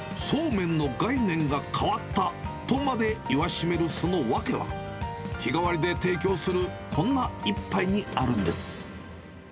そうめんの概念が変わったとまで言わしめるその訳は、日替わりで提供するこんな一杯にあるんです。